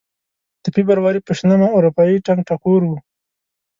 د فبروري په شلمه اروپايي ټنګ ټکور و.